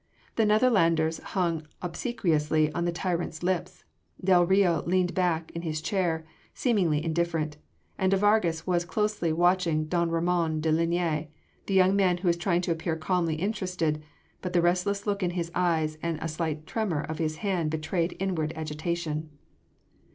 The Netherlanders hung obsequiously on the tyrant’s lips, del Rio leaned back in his chair seemingly indifferent and de Vargas was closely watching don Ramon de Linea; the young man was trying to appear calmly interested, but the restless look in his eyes and a slight tremor of his hand betrayed inward agitation.